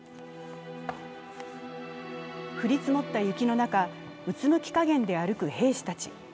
降り積もった雪の中、うつむき加減で歩く兵士たち。